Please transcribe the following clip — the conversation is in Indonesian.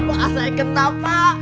wah saya kena pak